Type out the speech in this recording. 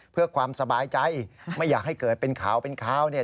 เพื่อความสบายใจไม่อยากให้เกิดเป็นข่าวเป็นข่าวเนี่ย